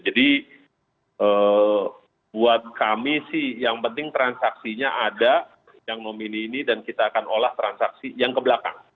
jadi buat kami sih yang penting transaksinya ada yang nomini ini dan kita akan olah transaksi yang ke belakang